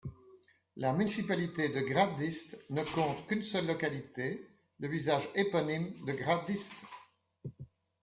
La municipalité de Gradište ne compte qu'une seule localité, le village éponyme de Gradište.